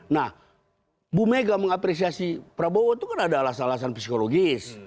nah bu mega mengapresiasi prabowo itu kan ada alasan alasan psikologis